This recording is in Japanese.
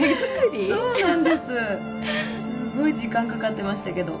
すごい時間かかってましたけど。